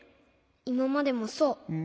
いままでもそう。